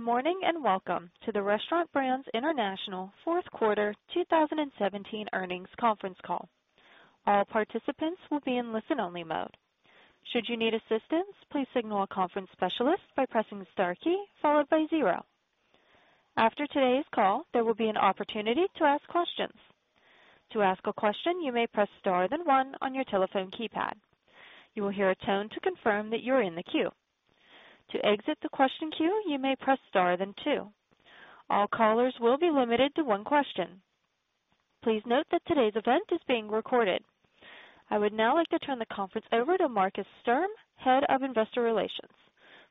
Good morning and welcome to the Restaurant Brands International fourth quarter 2017 earnings conference call. All participants will be in listen-only mode. Should you need assistance, please signal a conference specialist by pressing star key followed by zero. After today's call, there will be an opportunity to ask questions. To ask a question, you may press star then one on your telephone keypad. You will hear a tone to confirm that you're in the queue. To exit the question queue, you may press star then two. All callers will be limited to one question. Please note that today's event is being recorded. I would now like to turn the conference over to Markus Sturm, Head of Investor Relations.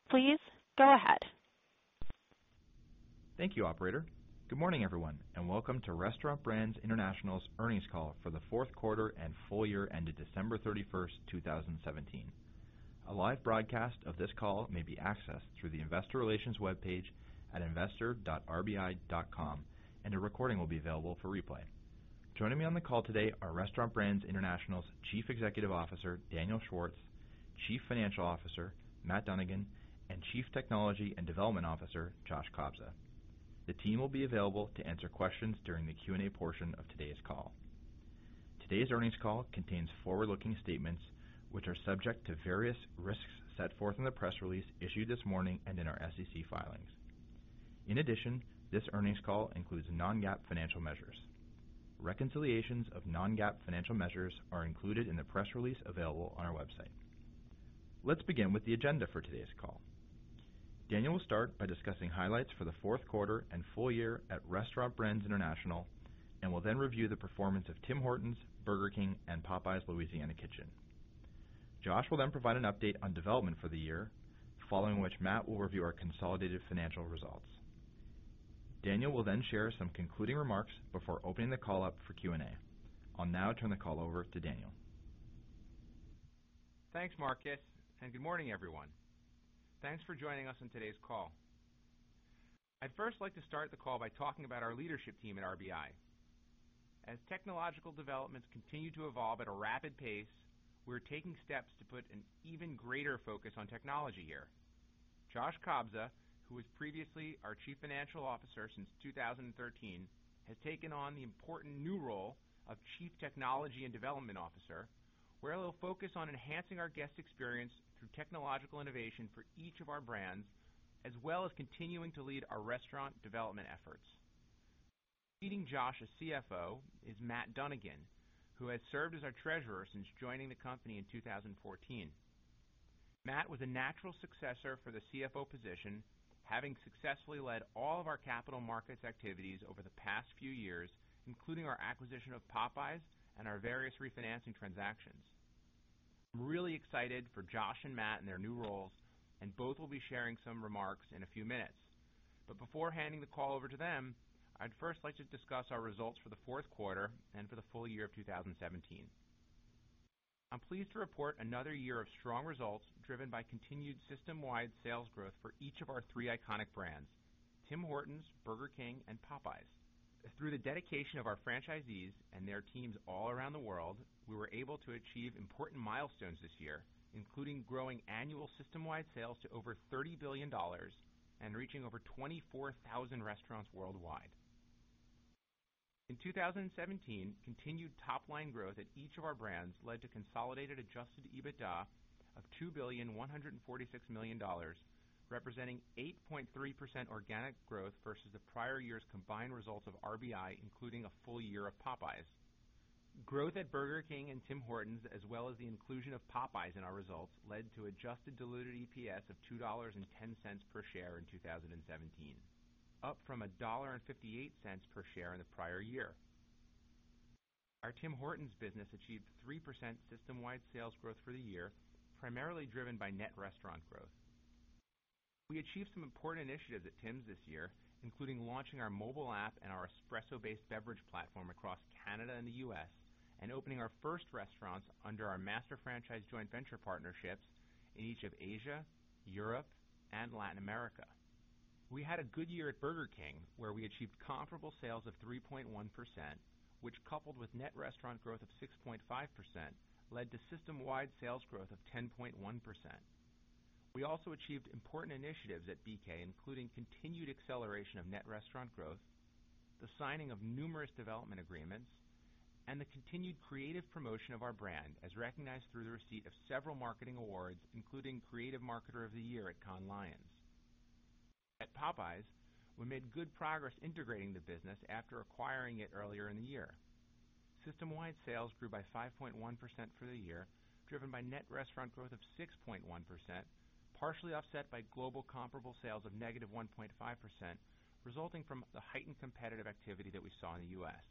Please go ahead. Thank you, operator. Good morning, everyone, and welcome to Restaurant Brands International's earnings call for the fourth quarter and full year ended December 31st, 2017. A live broadcast of this call may be accessed through the investor relations webpage at investor.rbi.com, and a recording will be available for replay. Joining me on the call today are Restaurant Brands International's Chief Executive Officer, Daniel Schwartz, Chief Financial Officer, Matt Dunnigan, and Chief Technology and Development Officer, Josh Kobza. The team will be available to answer questions during the Q&A portion of today's call. Today's earnings call contains forward-looking statements, which are subject to various risks set forth in the press release issued this morning and in our SEC filings. In addition, this earnings call includes non-GAAP financial measures. Reconciliations of non-GAAP financial measures are included in the press release available on our website. Let's begin with the agenda for today's call. Daniel will start by discussing highlights for the fourth quarter and full year at Restaurant Brands International and will then review the performance of Tim Hortons, Burger King, and Popeyes Louisiana Kitchen. Josh will then provide an update on development for the year, following which Matt will review our consolidated financial results. Daniel will then share some concluding remarks before opening the call up for Q&A. I'll now turn the call over to Daniel. Thanks, Markus, and good morning, everyone. Thanks for joining us on today's call. I'd first like to start the call by talking about our leadership team at RBI. As technological developments continue to evolve at a rapid pace, we're taking steps to put an even greater focus on technology here. Josh Kobza, who was previously our Chief Financial Officer since 2013, has taken on the important new role of Chief Technology and Development Officer, where he'll focus on enhancing our guest experience through technological innovation for each of our brands, as well as continuing to lead our restaurant development efforts. Leading Josh as CFO is Matt Dunnigan, who has served as our treasurer since joining the company in 2014. Matt was a natural successor for the CFO position, having successfully led all of our capital markets activities over the past few years, including our acquisition of Popeyes and our various refinancing transactions. I'm really excited for Josh and Matt in their new roles, and both will be sharing some remarks in a few minutes. Before handing the call over to them, I'd first like to discuss our results for the fourth quarter and for the full year of 2017. I'm pleased to report another year of strong results driven by continued system-wide sales growth for each of our three iconic brands, Tim Hortons, Burger King, and Popeyes. Through the dedication of our franchisees and their teams all around the world, we were able to achieve important milestones this year, including growing annual system-wide sales to over $30 billion and reaching over 24,000 restaurants worldwide. In 2017, continued top-line growth at each of our brands led to consolidated adjusted EBITDA of $2.146 billion, representing 8.3% organic growth versus the prior year's combined results of RBI, including a full year of Popeyes. Growth at Burger King and Tim Hortons, as well as the inclusion of Popeyes in our results, led to adjusted diluted EPS of $2.10 per share in 2017, up from $1.58 per share in the prior year. Our Tim Hortons business achieved 3% system-wide sales growth for the year, primarily driven by net restaurant growth. We achieved some important initiatives at Tims this year, including launching our mobile app and our espresso-based beverage platform across Canada and the U.S., and opening our first restaurants under our master franchise joint venture partnerships in each of Asia, Europe, and Latin America. We had a good year at Burger King, where we achieved comparable sales of 3.1%, which, coupled with net restaurant growth of 6.5%, led to system-wide sales growth of 10.1%. We also achieved important initiatives at BK, including continued acceleration of net restaurant growth, the signing of numerous development agreements, and the continued creative promotion of our brand, as recognized through the receipt of several marketing awards, including Creative Marketer of the Year at Cannes Lions. At Popeyes, we made good progress integrating the business after acquiring it earlier in the year. System-wide sales grew by 5.1% for the year, driven by net restaurant growth of 6.1%, partially offset by global comparable sales of -1.5%, resulting from the heightened competitive activity that we saw in the U.S.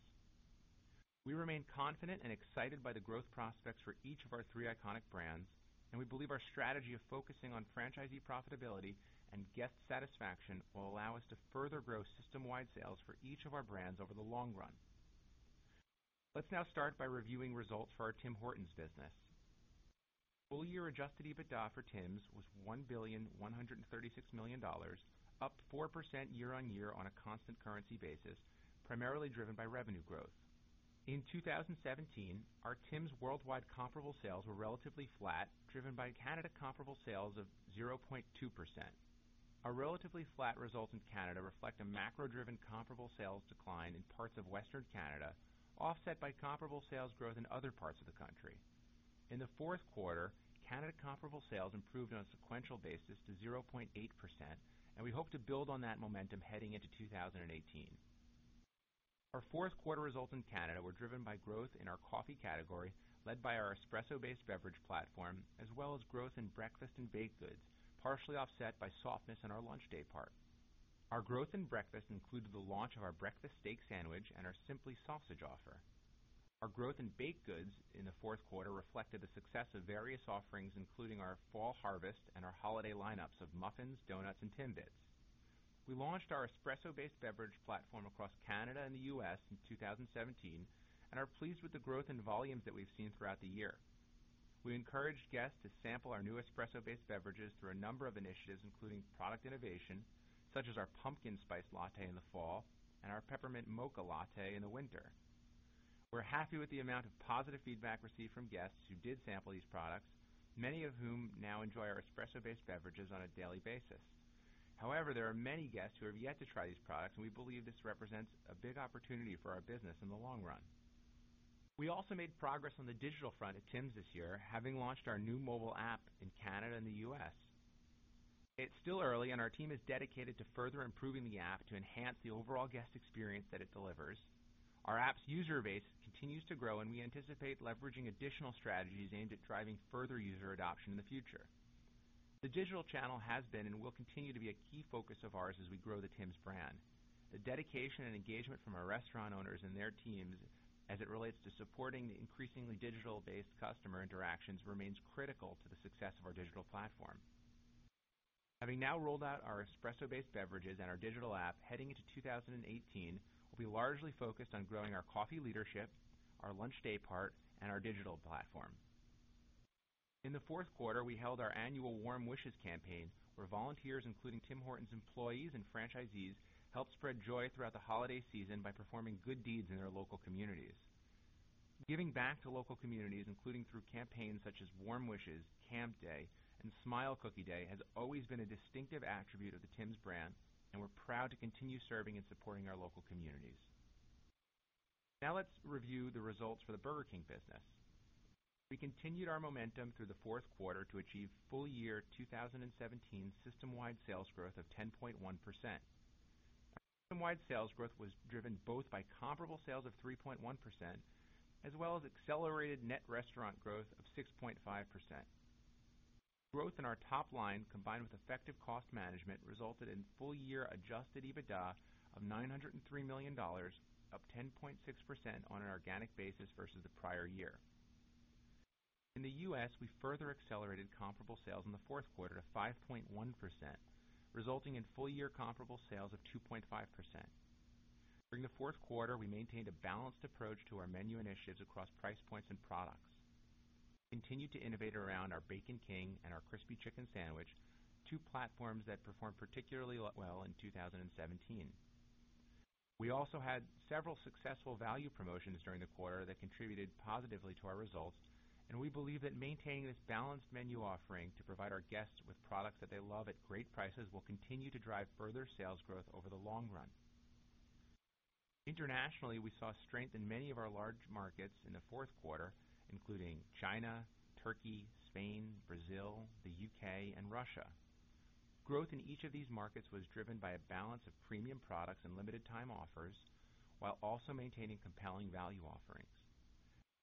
We remain confident and excited by the growth prospects for each of our three iconic brands, and we believe our strategy of focusing on franchisee profitability and guest satisfaction will allow us to further grow system-wide sales for each of our brands over the long run. Let's now start by reviewing results for our Tim Hortons business. Full-year adjusted EBITDA for Tims was $1.136 billion, up 4% year-over-year on a constant currency basis, primarily driven by revenue growth. In 2017, our Tims' worldwide comparable sales were relatively flat, driven by Canada comparable sales of 0.2%. Our relatively flat results in Canada reflect a macro-driven comparable sales decline in parts of Western Canada, offset by comparable sales growth in other parts of the country. In the fourth quarter, Canada comparable sales improved on a sequential basis to 0.8%, and we hope to build on that momentum heading into 2018. Our fourth quarter results in Canada were driven by growth in our coffee category, led by our espresso-based beverage platform, as well as growth in breakfast and baked goods, partially offset by softness in our lunch day part. Our growth in breakfast included the launch of our breakfast steak sandwich and our Simply Sausage offer. Our growth in baked goods in the fourth quarter reflected the success of various offerings, including our fall harvest and our holiday lineups of muffins, donuts, and Timbits. We launched our espresso-based beverage platform across Canada and the U.S. in 2017 and are pleased with the growth in volumes that we've seen throughout the year. We encouraged guests to sample our new espresso-based beverages through a number of initiatives, including product innovation, such as our pumpkin spice latte in the fall and our peppermint mocha latte in the winter. We're happy with the amount of positive feedback received from guests who did sample these products, many of whom now enjoy our espresso-based beverages on a daily basis. There are many guests who have yet to try these products, and we believe this represents a big opportunity for our business in the long run. We also made progress on the digital front at Tims this year, having launched our new mobile app in Canada and the U.S. It's still early, and our team is dedicated to further improving the app to enhance the overall guest experience that it delivers. Our app's user base continues to grow, and we anticipate leveraging additional strategies aimed at driving further user adoption in the future. The digital channel has been and will continue to be a key focus of ours as we grow the Tims brand. The dedication and engagement from our restaurant owners and their teams as it relates to supporting the increasingly digital-based customer interactions remains critical to the success of our digital platform. Having now rolled out our espresso-based beverages and our digital app heading into 2018, we'll be largely focused on growing our coffee leadership, our lunch day part, and our digital platform. In the fourth quarter, we held our annual Warm Wishes campaign, where volunteers, including Tim Hortons employees and franchisees, helped spread joy throughout the holiday season by performing good deeds in their local communities. Giving back to local communities, including through campaigns such as Warm Wishes, Camp Day, and Smile Cookie, has always been a distinctive attribute of the Tims brand, and we're proud to continue serving and supporting our local communities. Let's review the results for the Burger King business. We continued our momentum through the fourth quarter to achieve full year 2017 system-wide sales growth of 10.1%. Our system-wide sales growth was driven both by comparable sales of 3.1% as well as accelerated net restaurant growth of 6.5%. Growth in our top line, combined with effective cost management, resulted in full-year adjusted EBITDA of $903 million, up 10.6% on an organic basis versus the prior year. In the U.S., we further accelerated comparable sales in the fourth quarter to 5.1%, resulting in full-year comparable sales of 2.5%. During the fourth quarter, we maintained a balanced approach to our menu initiatives across price points and products. We continued to innovate around our Bacon King and our Crispy Chicken Sandwich, two platforms that performed particularly well in 2017. We also had several successful value promotions during the quarter that contributed positively to our results. We believe that maintaining this balanced menu offering to provide our guests with products that they love at great prices will continue to drive further sales growth over the long run. Internationally, we saw strength in many of our large markets in the fourth quarter, including China, Turkey, Spain, Brazil, the U.K., and Russia. Growth in each of these markets was driven by a balance of premium products and limited time offers while also maintaining compelling value offerings.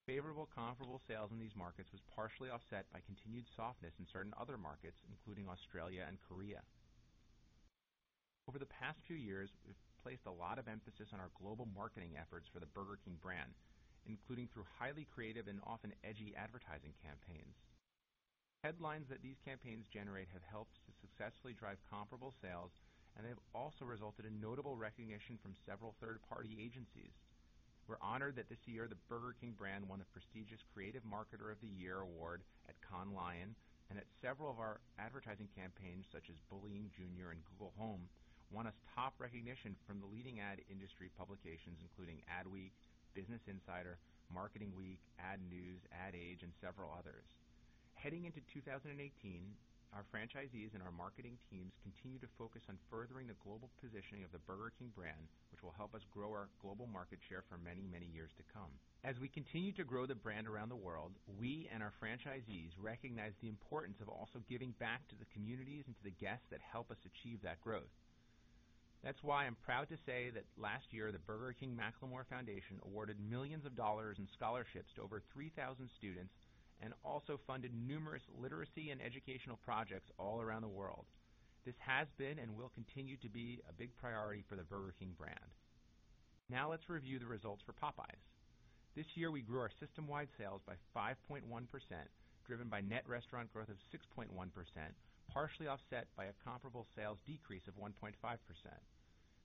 Favorable comparable sales in these markets was partially offset by continued softness in certain other markets, including Australia and Korea. Over the past few years, we've placed a lot of emphasis on our global marketing efforts for the Burger King brand, including through highly creative and often edgy advertising campaigns. Headlines that these campaigns generate have helped to successfully drive comparable sales. They have also resulted in notable recognition from several third-party agencies. We're honored that this year, the Burger King brand won a prestigious Creative Marketer of the Year award at Cannes Lions, and that several of our advertising campaigns, such as Bullying Jr. and Google Home, won us top recognition from the leading ad industry publications, including Adweek, Business Insider, Marketing Week, AdNews, Ad Age, and several others. Heading into 2018, our franchisees and our marketing teams continue to focus on furthering the global positioning of the Burger King brand, which will help us grow our global market share for many, many years to come. As we continue to grow the brand around the world, we and our franchisees recognize the importance of also giving back to the communities and to the guests that help us achieve that growth. That's why I'm proud to say that last year, the Burger King McLamore Foundation awarded millions of dollars in scholarships to over 3,000 students and also funded numerous literacy and educational projects all around the world. This has been and will continue to be a big priority for the Burger King brand. Now let's review the results for Popeyes. This year, we grew our system-wide sales by 5.1%, driven by net restaurant growth of 6.1%, partially offset by a comparable sales decrease of 1.5%.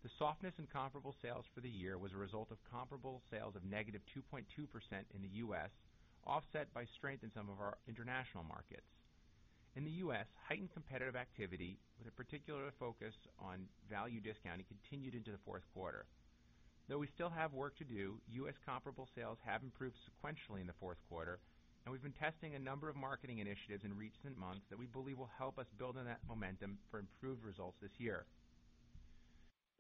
The softness in comparable sales for the year was a result of comparable sales of -2.2% in the U.S., offset by strength in some of our international markets. In the U.S., heightened competitive activity with a particular focus on value discounting continued into the fourth quarter. Though we still have work to do, U.S. comparable sales have improved sequentially in the fourth quarter. We've been testing a number of marketing initiatives in recent months that we believe will help us build on that momentum for improved results this year.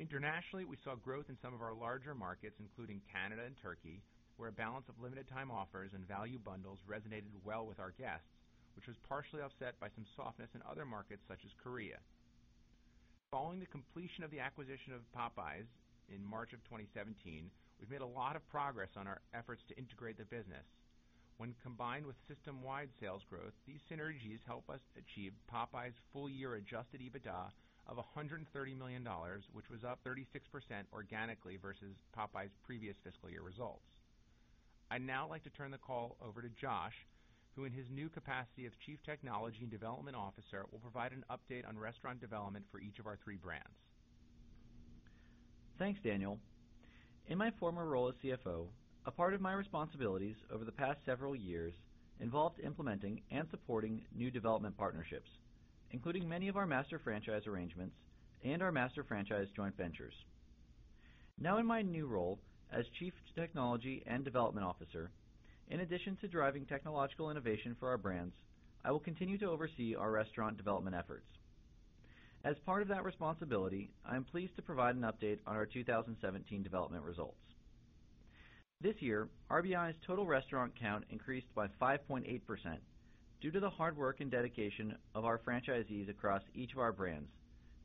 Internationally, we saw growth in some of our larger markets, including Canada and Turkey, where a balance of limited time offers and value bundles resonated well with our guests, which was partially offset by some softness in other markets such as Korea. Following the completion of the acquisition of Popeyes in March of 2017, we've made a lot of progress on our efforts to integrate the business. When combined with system-wide sales growth, these synergies help us achieve Popeyes' full-year adjusted EBITDA of $130 million, which was up 36% organically versus Popeyes' previous fiscal year results. I'd now like to turn the call over to Josh, who in his new capacity as Chief Technology and Development Officer will provide an update on restaurant development for each of our three brands. Thanks, Daniel. In my former role as CFO, a part of my responsibilities over the past several years involved implementing and supporting new development partnerships, including many of our master franchise arrangements and our master franchise joint ventures. Now in my new role as Chief Technology and Development Officer, in addition to driving technological innovation for our brands, I will continue to oversee our restaurant development efforts. As part of that responsibility, I am pleased to provide an update on our 2017 development results. This year, RBI's total restaurant count increased by 5.8% due to the hard work and dedication of our franchisees across each of our brands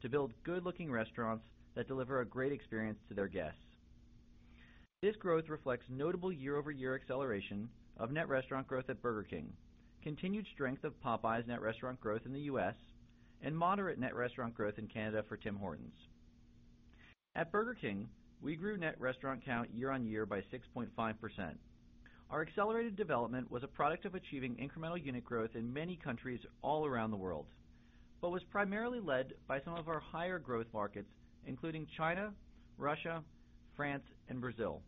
to build good-looking restaurants that deliver a great experience to their guests. This growth reflects notable year-over-year acceleration of net restaurant growth at Burger King, continued strength of Popeyes net restaurant growth in the U.S., and moderate net restaurant growth in Canada for Tim Hortons. At Burger King, we grew net restaurant count year-on-year by 6.5%. Our accelerated development was a product of achieving incremental unit growth in many countries all around the world but was primarily led by some of our higher growth markets, including China, Russia, France, and Brazil.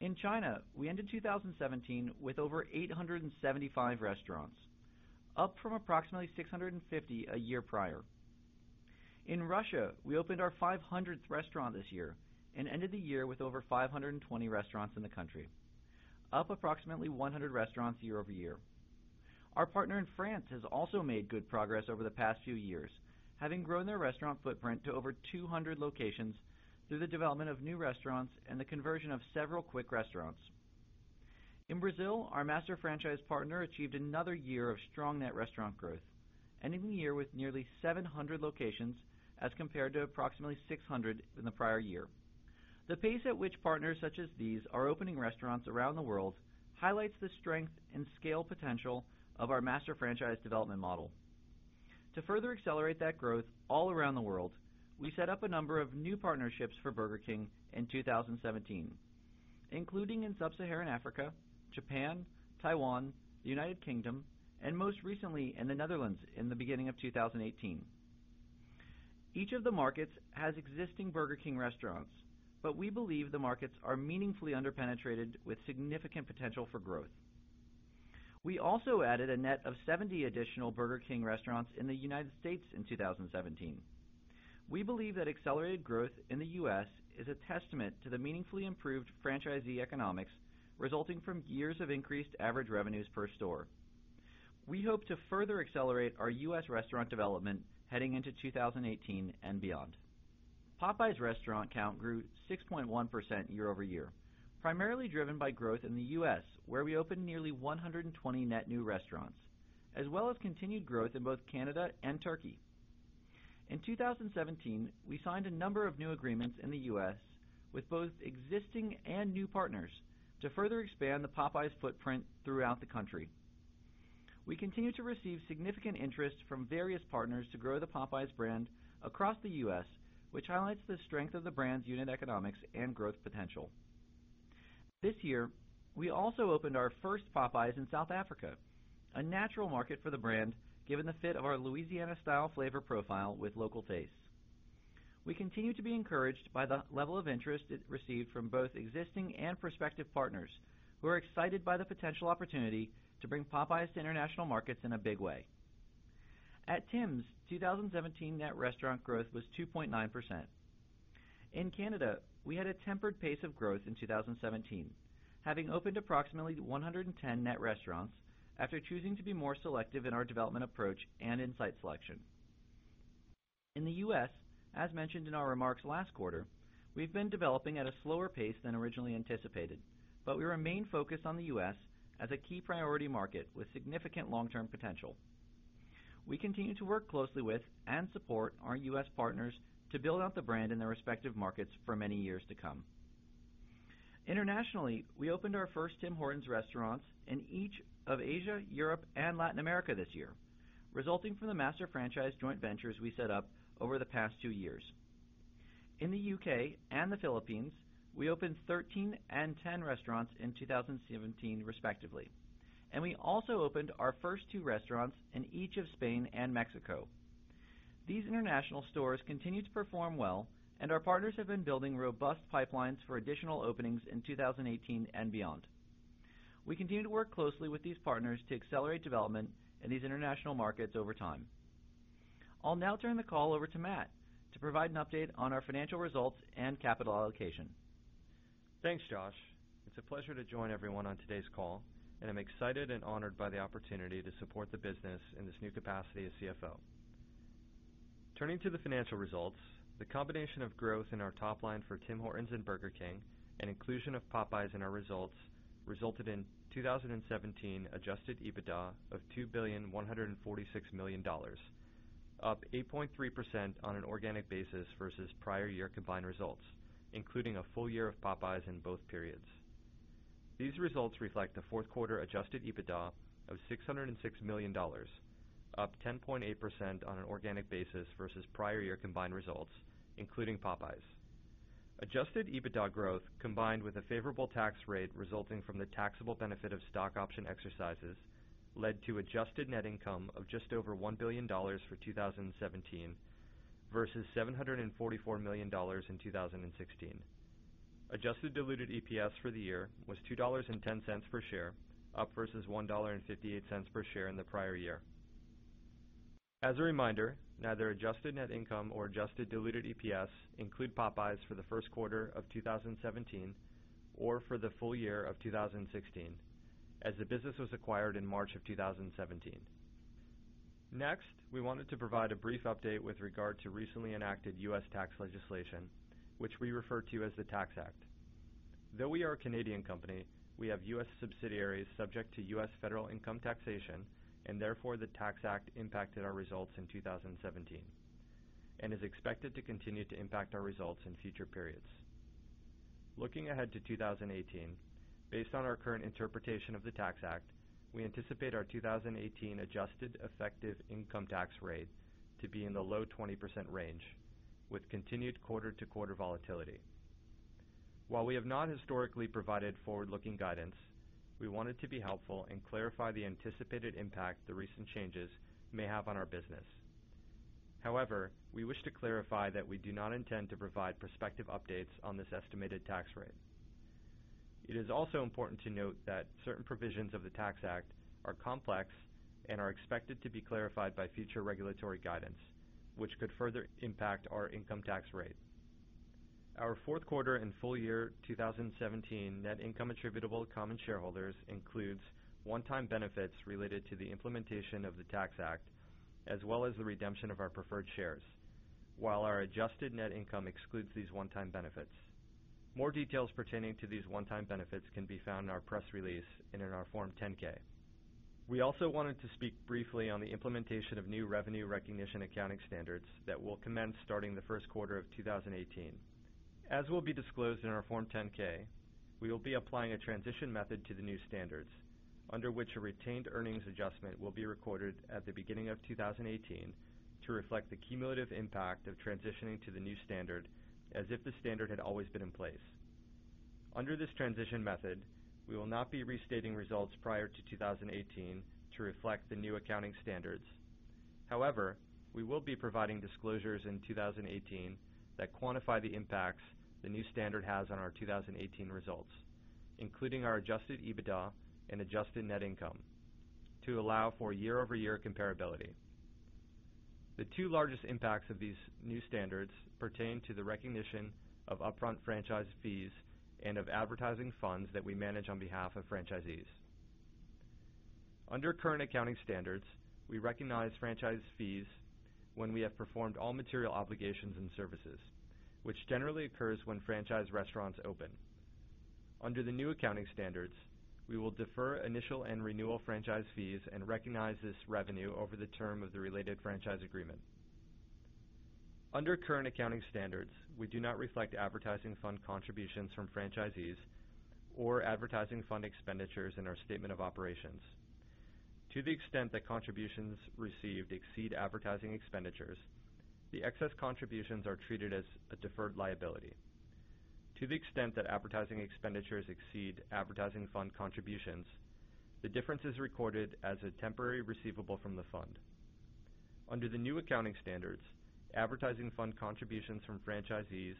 In China, we ended 2017 with over 875 restaurants, up from approximately 650 a year prior. In Russia, we opened our 500th restaurant this year and ended the year with over 520 restaurants in the country, up approximately 100 restaurants year-over-year. Our partner in France has also made good progress over the past few years, having grown their restaurant footprint to over 200 locations through the development of new restaurants and the conversion of several Quick restaurants. In Brazil, our master franchise partner achieved another year of strong net restaurant growth, ending the year with nearly 700 locations as compared to approximately 600 in the prior year. The pace at which partners such as these are opening restaurants around the world highlights the strength and scale potential of our master franchise development model. To further accelerate that growth all around the world, we set up a number of new partnerships for Burger King in 2017, including in Sub-Saharan Africa, Japan, Taiwan, the United Kingdom, and most recently, in the Netherlands in the beginning of 2018. Each of the markets has existing Burger King restaurants, but we believe the markets are meaningfully under-penetrated with significant potential for growth. We also added a net of 70 additional Burger King restaurants in the U.S. in 2017. We believe that accelerated growth in the U.S. is a testament to the meaningfully improved franchisee economics resulting from years of increased average revenues per store. We hope to further accelerate our U.S. restaurant development heading into 2018 and beyond. Popeyes restaurant count grew 6.1% year-over-year, primarily driven by growth in the U.S., where we opened nearly 120 net new restaurants, as well as continued growth in both Canada and Turkey. In 2017, we signed a number of new agreements in the U.S. with both existing and new partners to further expand the Popeyes footprint throughout the country. We continue to receive significant interest from various partners to grow the Popeyes brand across the U.S., which highlights the strength of the brand's unit economics and growth potential. This year, we also opened our first Popeyes in South Africa, a natural market for the brand, given the fit of our Louisiana-style flavor profile with local tastes. We continue to be encouraged by the level of interest it received from both existing and prospective partners who are excited by the potential opportunity to bring Popeyes to international markets in a big way. At Tims, 2017 net restaurant growth was 2.9%. In Canada, we had a tempered pace of growth in 2017, having opened approximately 110 net restaurants after choosing to be more selective in our development approach and in site selection. In the U.S., as mentioned in our remarks last quarter, we've been developing at a slower pace than originally anticipated, but we remain focused on the U.S. as a key priority market with significant long-term potential. We continue to work closely with and support our U.S. partners to build out the brand in their respective markets for many years to come. Internationally, we opened our first Tim Hortons restaurants in each of Asia, Europe, and Latin America this year, resulting from the master franchise joint ventures we set up over the past two years. In the U.K. and the Philippines, we opened 13 and 10 restaurants in 2017 respectively, and we also opened our first two restaurants in each of Spain and Mexico. These international stores continue to perform well, and our partners have been building robust pipelines for additional openings in 2018 and beyond. We continue to work closely with these partners to accelerate development in these international markets over time. I'll now turn the call over to Matt to provide an update on our financial results and capital allocation. Thanks, Josh. It's a pleasure to join everyone on today's call, and I'm excited and honored by the opportunity to support the business in this new capacity as CFO. Turning to the financial results, the combination of growth in our top line for Tim Hortons and Burger King and inclusion of Popeyes in our results resulted in 2017 adjusted EBITDA of $2,146,000,000, up 8.3% on an organic basis versus prior year combined results, including a full year of Popeyes in both periods. These results reflect a fourth quarter adjusted EBITDA of $606 million, up 10.8% on an organic basis versus prior year combined results, including Popeyes. Adjusted EBITDA growth, combined with a favorable tax rate resulting from the taxable benefit of stock option exercises, led to adjusted net income of just over $1 billion for 2017 versus $744 million in 2016. Adjusted diluted EPS for the year was $2.10 per share, up versus $1.58 per share in the prior year. As a reminder, neither adjusted net income nor adjusted diluted EPS include Popeyes for the first quarter of 2017 or for the full year of 2016, as the business was acquired in March of 2017. We wanted to provide a brief update with regard to recently enacted U.S. tax legislation, which we refer to as the Tax Act. Though we are a Canadian company, we have U.S. subsidiaries subject to U.S. federal income taxation, therefore the Tax Act impacted our results in 2017 and is expected to continue to impact our results in future periods. Looking ahead to 2018, based on our current interpretation of the Tax Act, we anticipate our 2018 adjusted effective income tax rate to be in the low 20% range with continued quarter-to-quarter volatility. While we have not historically provided forward-looking guidance, we wanted to be helpful and clarify the anticipated impact the recent changes may have on our business. We wish to clarify that we do not intend to provide prospective updates on this estimated tax rate. It is also important to note that certain provisions of the Tax Act are complex and are expected to be clarified by future regulatory guidance, which could further impact our income tax rate. Our fourth quarter and full year 2017 net income attributable to common shareholders includes one-time benefits related to the implementation of the Tax Act, as well as the redemption of our preferred shares, while our adjusted net income excludes these one-time benefits. More details pertaining to these one-time benefits can be found in our press release and in our Form 10-K. We also wanted to speak briefly on the implementation of new revenue recognition accounting standards that will commence starting the first quarter of 2018. As will be disclosed in our Form 10-K, we will be applying a transition method to the new standards, under which a retained earnings adjustment will be recorded at the beginning of 2018 to reflect the cumulative impact of transitioning to the new standard as if the standard had always been in place. Under this transition method, we will not be restating results prior to 2018 to reflect the new accounting standards. We will be providing disclosures in 2018 that quantify the impacts the new standard has on our 2018 results, including our adjusted EBITDA and adjusted net income to allow for year-over-year comparability. The two largest impacts of these new standards pertain to the recognition of upfront franchise fees and of advertising funds that we manage on behalf of franchisees. Under current accounting standards, we recognize franchise fees when we have performed all material obligations and services, which generally occurs when franchise restaurants open. Under the new accounting standards, we will defer initial and renewal franchise fees and recognize this revenue over the term of the related franchise agreement. Under current accounting standards, we do not reflect advertising fund contributions from franchisees or advertising fund expenditures in our statement of operations. To the extent that contributions received exceed advertising expenditures, the excess contributions are treated as a deferred liability. To the extent that advertising expenditures exceed advertising fund contributions, the difference is recorded as a temporary receivable from the fund. Under the new accounting standards, advertising fund contributions from franchisees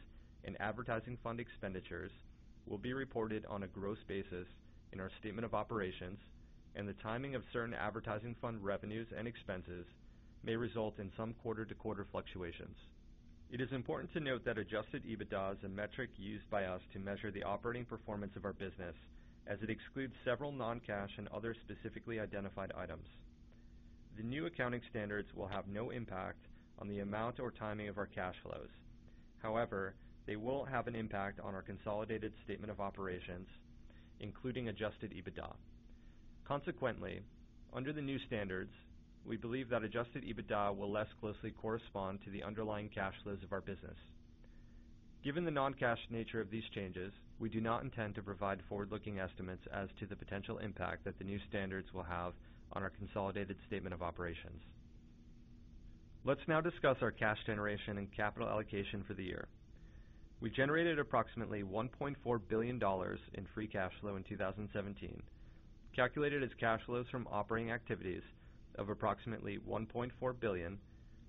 and advertising fund expenditures will be reported on a gross basis in our statement of operations, and the timing of certain advertising fund revenues and expenses may result in some quarter-to-quarter fluctuations. It is important to note that adjusted EBITDA is a metric used by us to measure the operating performance of our business as it excludes several non-cash and other specifically identified items. The new accounting standards will have no impact on the amount or timing of our cash flows. However, they will have an impact on our consolidated statement of operations, including adjusted EBITDA. Consequently, under the new standards, we believe that adjusted EBITDA will less closely correspond to the underlying cash flows of our business. Given the non-cash nature of these changes, we do not intend to provide forward-looking estimates as to the potential impact that the new standards will have on our consolidated statement of operations. Let's now discuss our cash generation and capital allocation for the year. We generated approximately $1.4 billion in free cash flow in 2017, calculated as cash flows from operating activities of approximately $1.4 billion,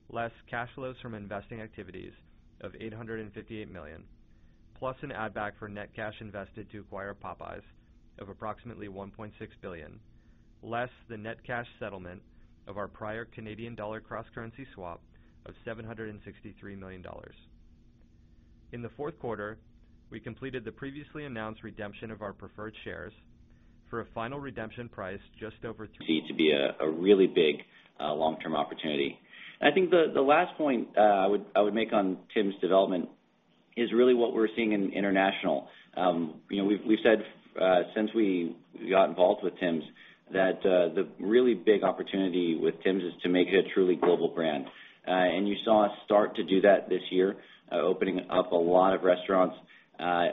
less cash flows from investing activities of $858 million, plus an add back for net cash invested to acquire Popeyes of approximately $1.6 billion, less the net cash settlement of our prior Canadian dollar cross currency swap of $763 million. In the fourth quarter, we completed the previously announced redemption of our preferred shares. See to be a really big long-term opportunity. I think the last point I would make on Tims development is really what we're seeing in international. We've said since we got involved with Tims that the really big opportunity with Tims is to make it a truly global brand. You saw us start to do that this year, opening up a lot of restaurants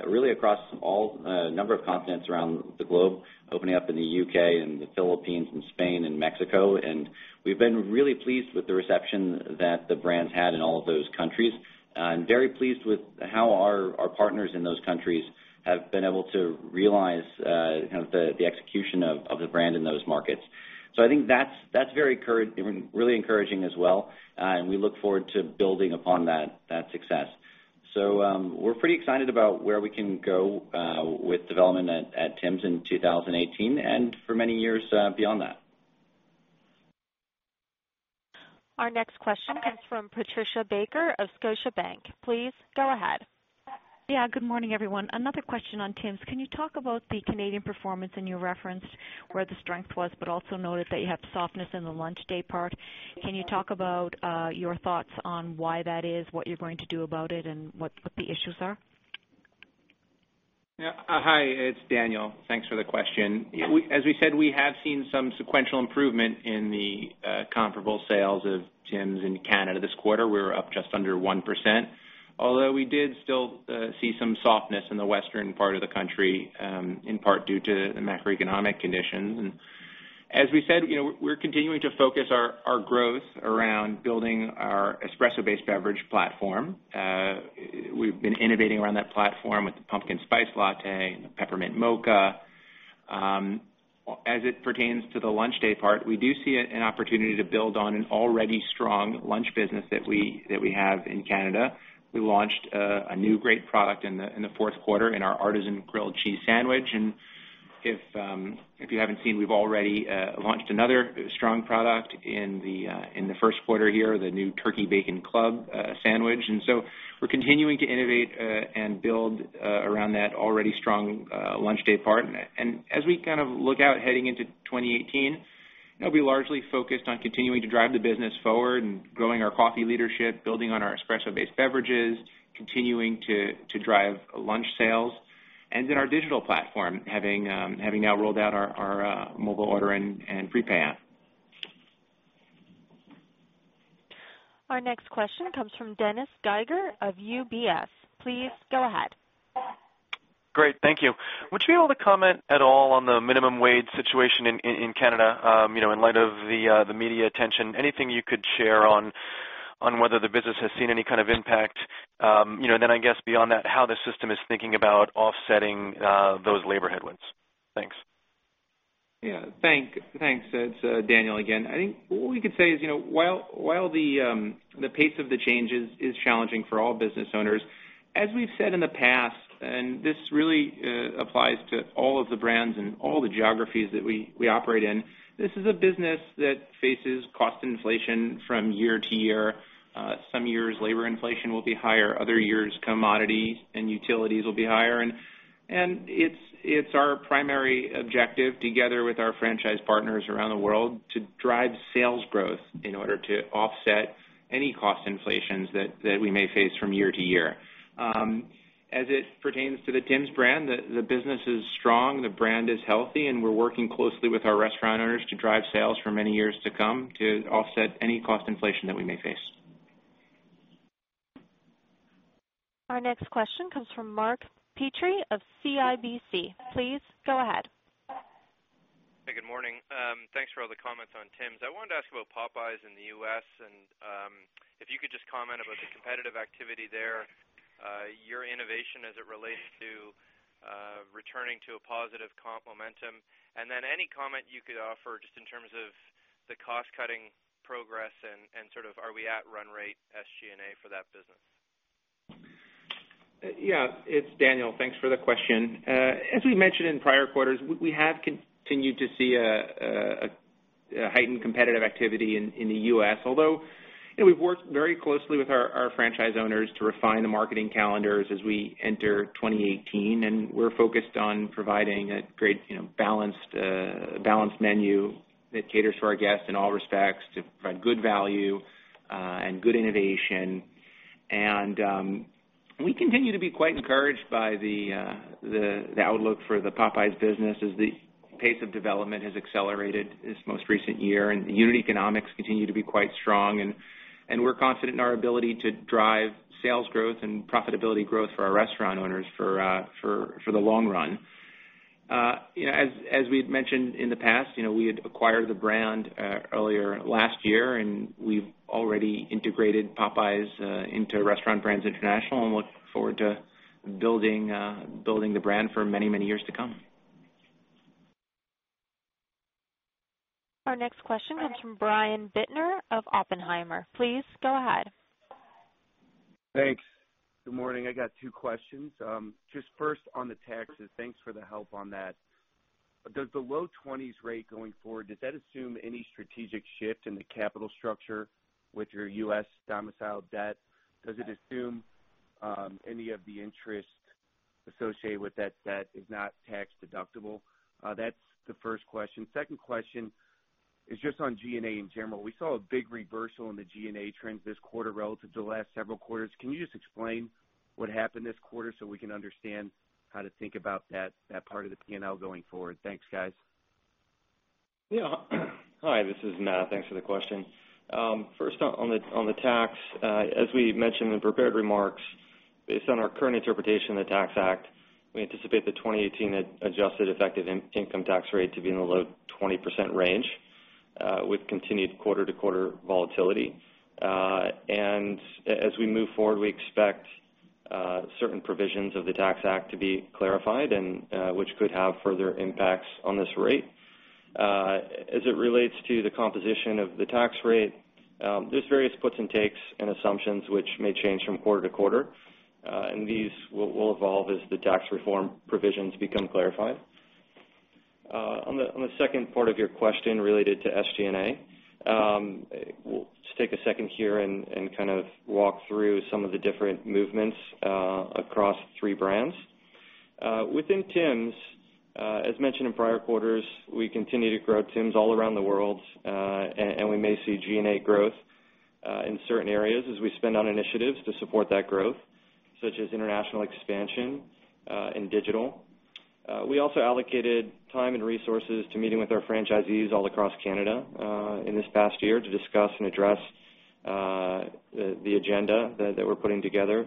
really across a number of continents around the globe, opening up in the U.K. and the Philippines and Spain and Mexico. We've been really pleased with the reception that the brand's had in all of those countries and very pleased with how our partners in those countries have been able to realize the execution of the brand in those markets. I think that's really encouraging as well, and we look forward to building upon that success. We're pretty excited about where we can go with development at Tim's in 2018 and for many years beyond that. Our next question comes from Patricia Baker of Scotiabank. Please go ahead. Good morning, everyone. Another question on Tim's. Can you talk about the Canadian performance and you referenced where the strength was, but also noted that you have softness in the lunch day part. Can you talk about your thoughts on why that is, what you're going to do about it, and what the issues are? Hi, it's Daniel. Thanks for the question. As we said, we have seen some sequential improvement in the comparable sales of Tim's in Canada this quarter. We were up just under 1%, although we did still see some softness in the western part of the country, in part due to the macroeconomic conditions. As we said, we're continuing to focus our growth around building our espresso-based beverage platform. We've been innovating around that platform with the pumpkin spice latte and the peppermint mocha. As it pertains to the lunch day part, we do see an opportunity to build on an already strong lunch business that we have in Canada. We launched a new great product in the fourth quarter in our artisan grilled cheese sandwich, and if you haven't seen, we've already launched another strong product in the first quarter here, the new turkey bacon club sandwich. We're continuing to innovate and build around that already strong lunch day part. As we kind of look out heading into 2018, that'll be largely focused on continuing to drive the business forward and growing our coffee leadership, building on our espresso-based beverages, continuing to drive lunch sales and in our digital platform, having now rolled out our mobile order and prepay app. Our next question comes from Dennis Geiger of UBS. Please go ahead. Great. Thank you. Would you be able to comment at all on the minimum wage situation in Canada, in light of the media attention? Anything you could share on whether the business has seen any kind of impact, then I guess beyond that, how the system is thinking about offsetting those labor headwinds? Thanks. Yeah. Thanks. It's Daniel again. I think what we could say is, while the pace of the change is challenging for all business owners, as we've said in the past, this really applies to all of the brands and all the geographies that we operate in, this is a business that faces cost inflation from year to year. Some years, labor inflation will be higher. Other years, commodities and utilities will be higher. It's our primary objective together with our franchise partners around the world to drive sales growth in order to offset any cost inflations that we may face from year to year. As it pertains to the Tim's brand, the business is strong, the brand is healthy, and we're working closely with our restaurant owners to drive sales for many years to come to offset any cost inflation that we may face. Our next question comes from Mark Petrie of CIBC. Please go ahead. Hey, good morning. Thanks for all the comments on Tims. I wanted to ask about Popeyes in the U.S. and if you could just comment about the competitive activity there, your innovation as it relates to returning to a positive comp momentum, then any comment you could offer just in terms of the cost-cutting progress and sort of are we at run rate SG&A for that business? Yeah. It's Daniel. Thanks for the question. As we mentioned in prior quarters, we have continued to see a heightened competitive activity in the U.S., although, we've worked very closely with our franchise owners to refine the marketing calendars as we enter 2018. We're focused on providing a great balanced menu that caters to our guests in all respects to provide good value and good innovation. We continue to be quite encouraged by the outlook for the Popeyes business as the pace of development has accelerated this most recent year. Unit economics continue to be quite strong. We're confident in our ability to drive sales growth and profitability growth for our restaurant owners for the long run. As we had mentioned in the past, we had acquired the brand earlier last year. We've already integrated Popeyes into Restaurant Brands International and look forward to building the brand for many years to come. Our next question comes from Brian Bittner of Oppenheimer. Please go ahead. Thanks. Good morning. I got two questions. Just first on the taxes, thanks for the help on that. Does the low 20s rate going forward, does that assume any strategic shift in the capital structure with your U.S. domiciled debt? Does it assume any of the interest associated with that debt is not tax-deductible? That's the first question. Second question is just on G&A in general. We saw a big reversal in the G&A trends this quarter relative to the last several quarters. Can you just explain what happened this quarter so we can understand how to think about that part of the P&L going forward? Thanks, guys. Yeah. Hi, this is Matt. Thanks for the question. First on the tax, as we mentioned in prepared remarks, based on our current interpretation of the Tax Act, we anticipate the 2018 adjusted effective income tax rate to be in the low 20% range, with continued quarter-to-quarter volatility. As we move forward, we expect certain provisions of the Tax Act to be clarified, and which could have further impacts on this rate. As it relates to the composition of the tax rate, there's various puts and takes and assumptions which may change from quarter to quarter. These will evolve as the tax reform provisions become clarified. On the second part of your question related to SG&A, we'll just take a second here and kind of walk through some of the different movements across three brands. Within Tims, as mentioned in prior quarters, we continue to grow Tims all around the world, and we may see G&A growth, in certain areas as we spend on initiatives to support that growth, such as international expansion, and digital. We also allocated time and resources to meeting with our franchisees all across Canada, in this past year to discuss and address the agenda that we're putting together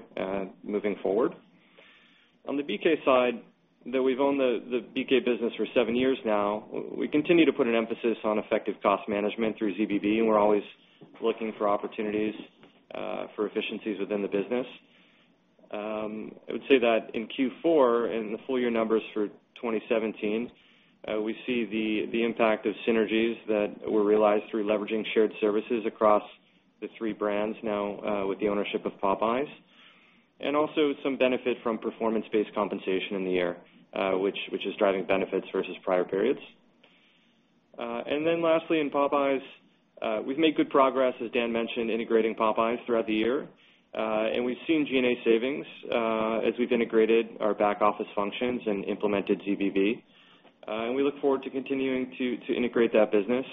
moving forward. On the BK side, though we've owned the BK business for seven years now, we continue to put an emphasis on effective cost management through ZBB, and we're always looking for opportunities, for efficiencies within the business. I would say that in Q4 and the full-year numbers for 2017, we see the impact of synergies that were realized through leveraging shared services across the three brands now with the ownership of Popeyes. Also some benefit from performance-based compensation in the year, which is driving benefits versus prior periods. Lastly, in Popeyes, we've made good progress, as Dan mentioned, integrating Popeyes throughout the year. We've seen G&A savings as we've integrated our back-office functions and implemented ZBB. We look forward to continuing to integrate that business.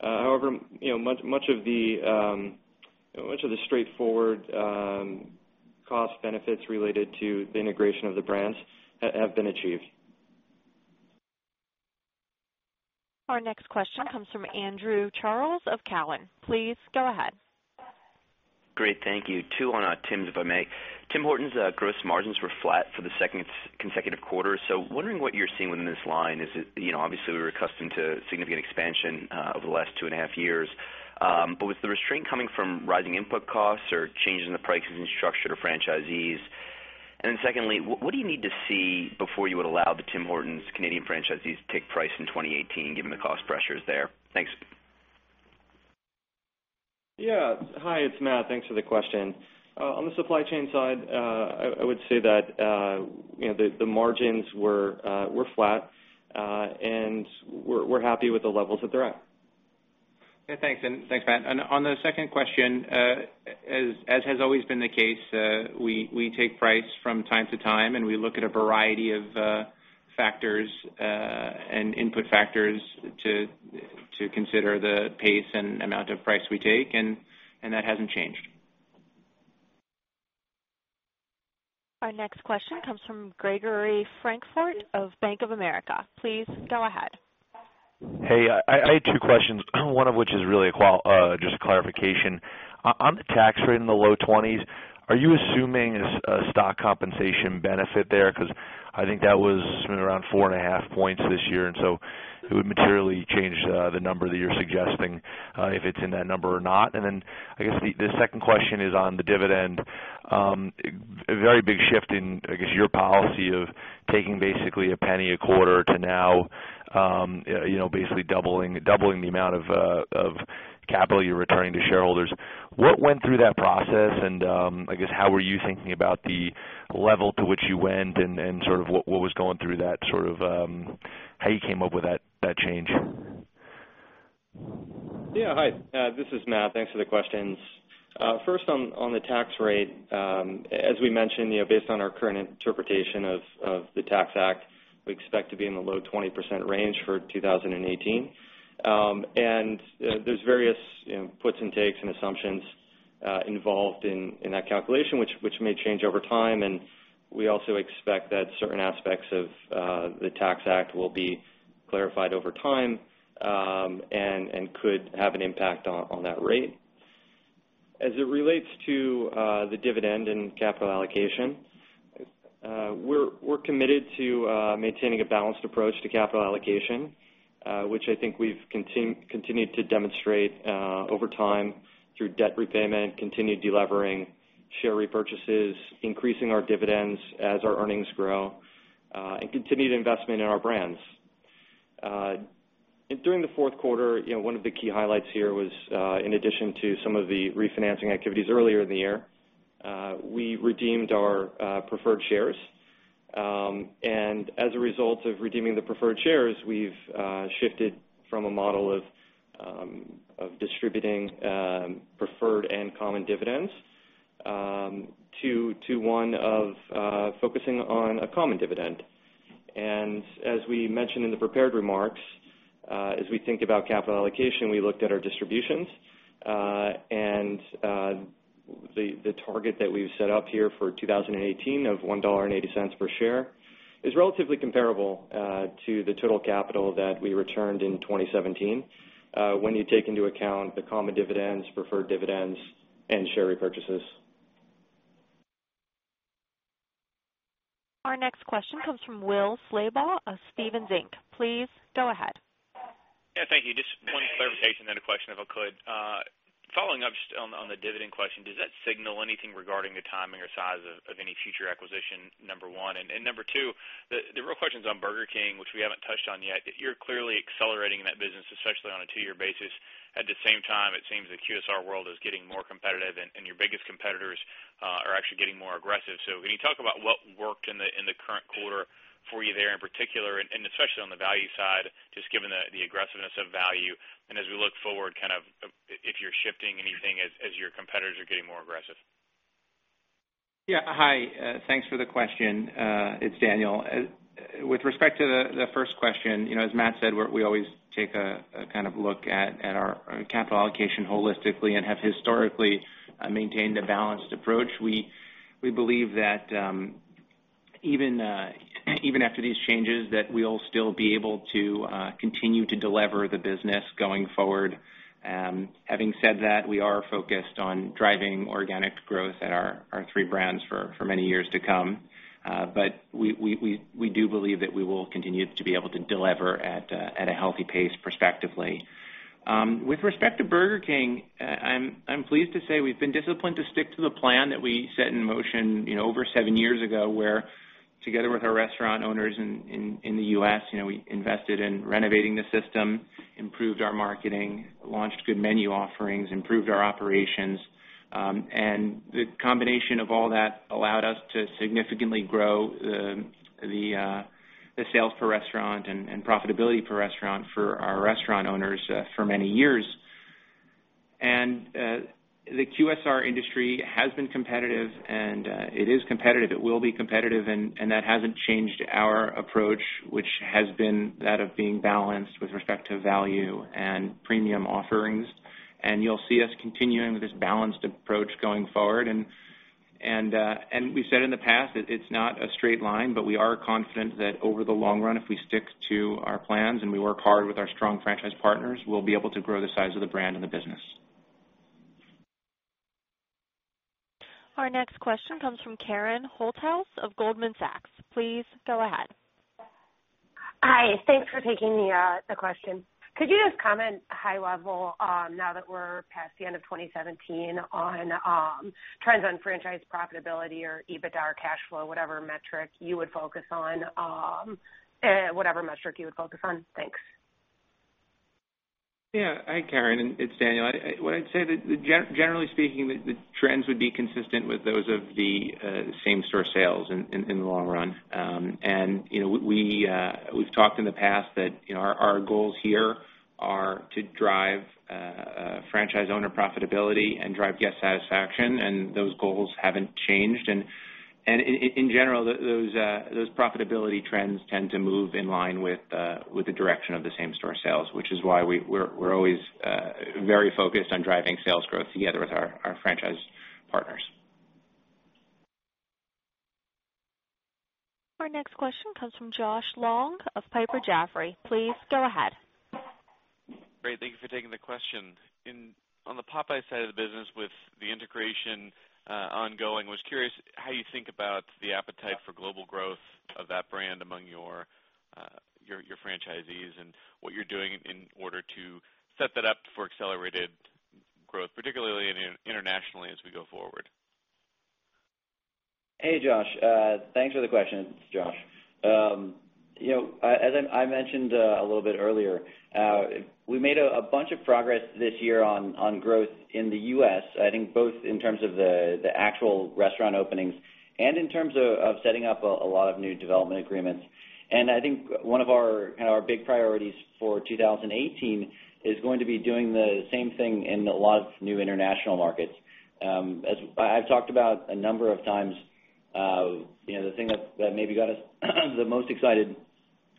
However, much of the straightforward cost benefits related to the integration of the brands have been achieved. Our next question comes from Andrew Charles of Cowen. Please go ahead. Great, thank you. Two on Tims, if I may. Tim Hortons gross margins were flat for the second consecutive quarter, wondering what you're seeing within this line. Obviously, we were accustomed to significant expansion over the last two and a half years. Was the restraint coming from rising input costs or changes in the pricing structure to franchisees? Secondly, what do you need to see before you would allow the Tim Hortons Canadian franchisees to take price in 2018 given the cost pressures there? Thanks. Hi, it's Matt. Thanks for the question. On the supply chain side, I would say that the margins were flat, and we're happy with the levels that they're at. Yeah, thanks Matt. On the second question, as has always been the case, we take price from time to time, and we look at a variety of factors and input factors to consider the pace and amount of price we take, and that hasn't changed. Our next question comes from Gregory Francfort of Bank of America. Please go ahead. Hey, I had two questions, one of which is really just a clarification. On the tax rate in the low twenties, are you assuming a stock compensation benefit there? Because I think that was around four and a half points this year, it would materially change the number that you're suggesting if it's in that number or not. I guess the second question is on the dividend. A very big shift in, I guess, your policy of taking basically a $0.01 a quarter to now basically doubling the amount of capital you're returning to shareholders. What went through that process and, I guess, how were you thinking about the level to which you went and sort of how you came up with that change? Yeah, hi. This is Matt. Thanks for the questions. First on the tax rate, as we mentioned, based on our current interpretation of the Tax Act, we expect to be in the low 20% range for 2018. There's various puts and takes and assumptions involved in that calculation, which may change over time, and we also expect that certain aspects of the Tax Act will be clarified over time, and could have an impact on that rate. As it relates to the dividend and capital allocation, we're committed to maintaining a balanced approach to capital allocation, which I think we've continued to demonstrate over time through debt repayment, continued de-levering, share repurchases, increasing our dividends as our earnings grow, and continued investment in our brands. During the fourth quarter, one of the key highlights here was in addition to some of the refinancing activities earlier in the year, we redeemed our preferred shares. As a result of redeeming the preferred shares, we've shifted from a model of distributing preferred and common dividends to one of focusing on a common dividend. As we mentioned in the prepared remarks, as we think about capital allocation, we looked at our distributions. The target that we've set up here for 2018 of $1.80 per share is relatively comparable to the total capital that we returned in 2017 when you take into account the common dividends, preferred dividends, and share repurchases. Our next question comes from Will Slabaugh of Stephens Inc. Please go ahead. Yeah, thank you. Just one clarification, then a question, if I could. Following up just on the dividend question, does that signal anything regarding the timing or size of any future acquisition, number one? Number two, the real question is on Burger King, which we haven't touched on yet. You're clearly accelerating that business, especially on a two-year basis. At the same time, it seems the QSR world is getting more competitive, and your biggest competitors are actually getting more aggressive. Can you talk about what worked in the current quarter for you there, in particular, and especially on the value side, just given the aggressiveness of value, and as we look forward, if you're shifting anything as your competitors are getting more aggressive? Yeah. Hi. Thanks for the question. It's Daniel. With respect to the first question, as Matt said, we always take a look at our capital allocation holistically and have historically maintained a balanced approach. We believe that even after these changes, that we'll still be able to continue to delever the business going forward. Having said that, we are focused on driving organic growth at our three brands for many years to come. We do believe that we will continue to be able to delever at a healthy pace perspectively. With respect to Burger King, I'm pleased to say we've been disciplined to stick to the plan that we set in motion over seven years ago, where together with our restaurant owners in the U.S., we invested in renovating the system, improved our marketing, launched good menu offerings, improved our operations. The combination of all that allowed us to significantly grow the sales per restaurant and profitability per restaurant for our restaurant owners for many years. The QSR industry has been competitive, and it is competitive. It will be competitive, and that hasn't changed our approach, which has been that of being balanced with respect to value and premium offerings. You'll see us continuing with this balanced approach going forward. We've said in the past that it's not a straight line, but we are confident that over the long run, if we stick to our plans and we work hard with our strong franchise partners, we'll be able to grow the size of the brand and the business. Our next question comes from Karen Holthouse of Goldman Sachs. Please go ahead. Hi. Thanks for taking the question. Could you just comment high level, now that we're past the end of 2017, on trends on franchise profitability or EBITDA or cash flow, whatever metric you would focus on? Thanks. Yeah. Hi, Karen. It's Daniel. What I'd say that generally speaking, the trends would be consistent with those of the same-store sales in the long run. We've talked in the past that our goals here are to drive franchise owner profitability and drive guest satisfaction, those goals haven't changed. In general, those profitability trends tend to move in line with the direction of the same-store sales, which is why we're always very focused on driving sales growth together with our franchise partners. Our next question comes from Josh Long of Piper Jaffray. Please go ahead. Great. Thank you for taking the question. On the Popeyes side of the business, with the integration ongoing, was curious how you think about the appetite for global growth of that brand among your franchisees and what you're doing in order to set that up for accelerated growth, particularly internationally as we go forward. Hey, Josh. Thanks for the question. It's Josh. As I mentioned a little bit earlier, we made a bunch of progress this year on growth in the U.S., I think both in terms of the actual restaurant openings and in terms of setting up a lot of new development agreements. I think one of our big priorities for 2018 is going to be doing the same thing in a lot of new international markets. I've talked about a number of times, the thing that maybe got us the most excited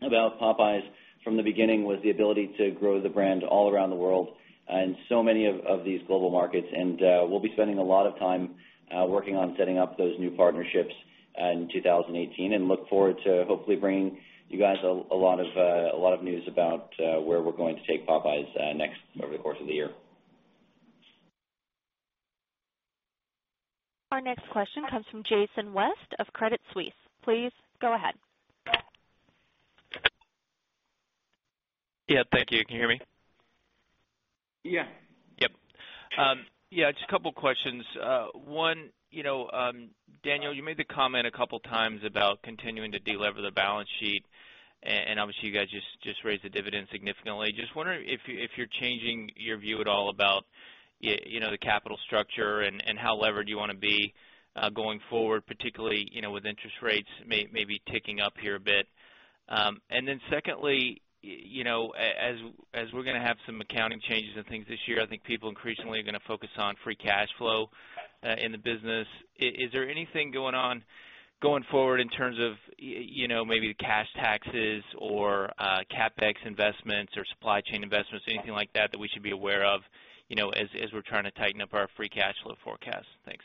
about Popeyes from the beginning was the ability to grow the brand all around the world and so many of these global markets, and we'll be spending a lot of time Working on setting up those new partnerships in 2018 and look forward to hopefully bringing you guys a lot of news about where we're going to take Popeyes next over the course of the year. Our next question comes from Jason West of Credit Suisse. Please go ahead. Yeah, thank you. Can you hear me? Yeah. Yep. Yeah, just a couple of questions. One, Daniel, you made the comment a couple of times about continuing to delever the balance sheet, and obviously you guys just raised the dividend significantly. Just wondering if you're changing your view at all about the capital structure and how levered you want to be, going forward, particularly, with interest rates maybe ticking up here a bit. Secondly, as we're going to have some accounting changes and things this year, I think people increasingly are going to focus on free cash flow in the business. Is there anything going on going forward in terms of maybe the cash taxes or CapEx investments or supply chain investments or anything like that we should be aware of, as we're trying to tighten up our free cash flow forecast? Thanks.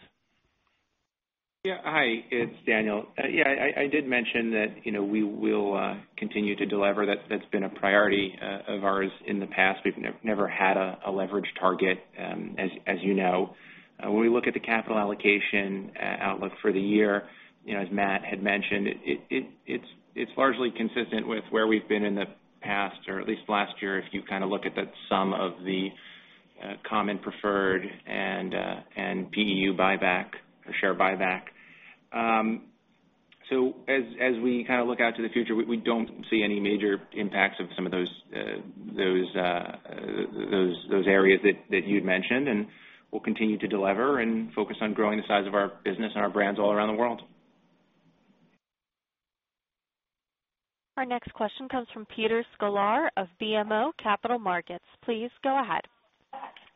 Yeah. Hi, it's Daniel. Yeah, I did mention that we will continue to delever. That's been a priority of ours in the past. We've never had a leverage target, as you know. When we look at the capital allocation outlook for the year, as Matt had mentioned, it's largely consistent with where we've been in the past or at least last year, if you look at the sum of the common preferred and PEU buyback or share buyback. As we look out to the future, we don't see any major impacts of some of those areas that you'd mentioned, and we'll continue to delever and focus on growing the size of our business and our brands all around the world. Our next question comes from Peter Sklar of BMO Capital Markets. Please go ahead.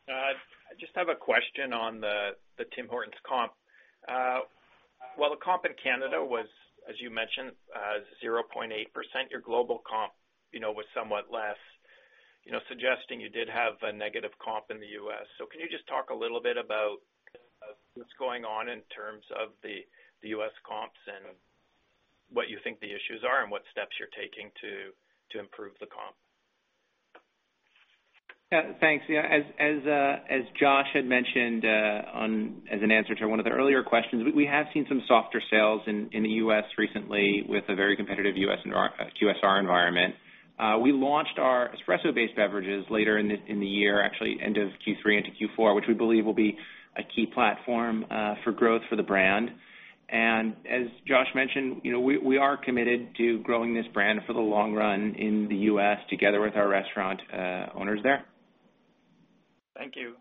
I just have a question on the Tim Hortons comp. While the comp in Canada was, as you mentioned, 0.8%, your global comp was somewhat less, suggesting you did have a negative comp in the U.S. Can you just talk a little bit about what's going on in terms of the U.S. comps and what you think the issues are and what steps you're taking to improve the comp? Yeah, thanks. As Josh had mentioned, as an answer to one of the earlier questions, we have seen some softer sales in the U.S. recently with a very competitive QSR environment. We launched our espresso-based beverages later in the year, actually end of Q3 into Q4, which we believe will be a key platform for growth for the brand. As Josh mentioned, we are committed to growing this brand for the long run in the U.S. together with our restaurant owners there. Thank you.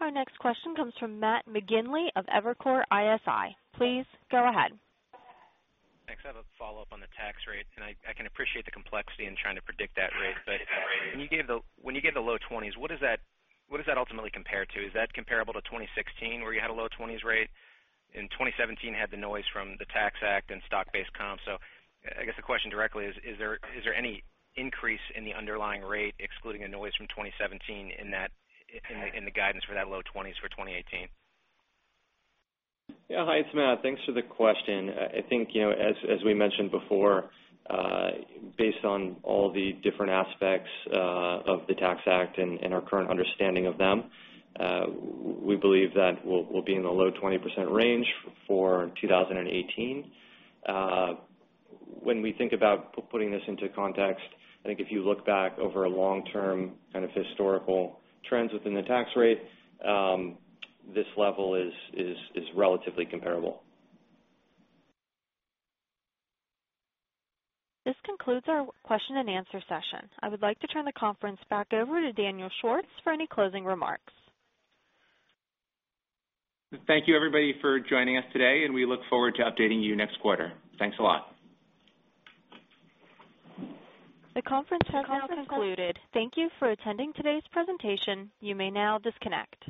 Our next question comes from Matt McGinley of Evercore ISI. Please go ahead. Thanks. I have a follow-up on the tax rate, and I can appreciate the complexity in trying to predict that rate. That rate. When you give the low 20s, what does that ultimately compare to? Is that comparable to 2016, where you had a low 20s rate? In 2017, you had the noise from the Tax Act and stock-based comp. I guess the question directly is there any increase in the underlying rate, excluding the noise from 2017, in the guidance for that low 20s for 2018? Yeah. Hi, it's Matt. Thanks for the question. I think, as we mentioned before, based on all the different aspects of the Tax Act and our current understanding of them, we believe that we'll be in the low 20% range for 2018. When we think about putting this into context, I think if you look back over long-term kind of historical trends within the tax rate, this level is relatively comparable. This concludes our question and answer session. I would like to turn the conference back over to Daniel Schwartz for any closing remarks. Thank you, everybody, for joining us today. We look forward to updating you next quarter. Thanks a lot. The conference has now concluded. Thank you for attending today's presentation. You may now disconnect.